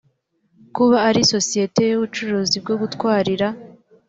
kuba ari sosiyete y ubucuruzi bwo gutwarira